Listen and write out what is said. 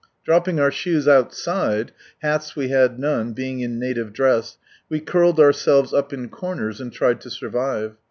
Dropping our shoes ouiside, (hats we had none, being in native dress,) we curled ourselves up in corners, and tried to survive.